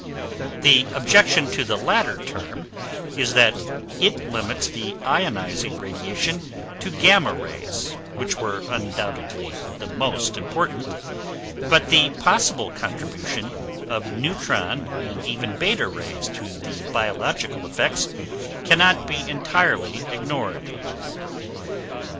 The objection to the latter term is that it limits the ionizing radiation to gamma rays, which were undoubtedly the most important; but the possible contribution of neutron and even beta rays to the biological effects cannot be entirely ignored.